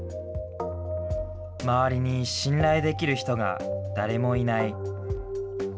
周りに信頼できる人が誰もいない。